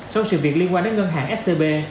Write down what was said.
sau sự việc liên quan đến ngân hàng scb